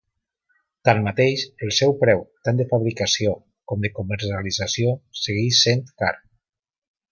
Tanmateix, el seu preu, tant de fabricació com de comercialització, segueix sent car.